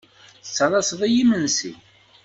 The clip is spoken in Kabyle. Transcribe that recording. Tettalaseḍ-iyi imensi.